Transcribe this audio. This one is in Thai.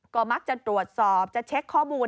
ก็มักจะตรวจสอบจะเช็คข้อมูล